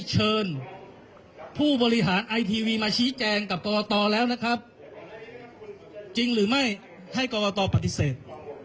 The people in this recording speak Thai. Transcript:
ให้กรกตปฏิเสธ